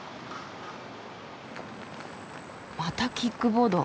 またキックボード。